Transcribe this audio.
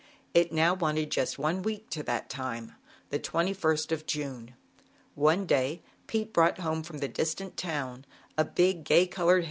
It now wan one week to that time, the 2ist of J One day Pete brought home from tttj distant town, a big gay colored li!